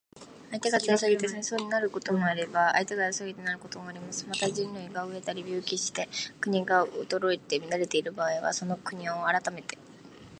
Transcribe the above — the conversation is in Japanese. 相手が強すぎて戦争になることもあれば、相手が弱すぎてなることもあります。また、人民が餓えたり病気して国が衰えて乱れている場合には、その国を攻めて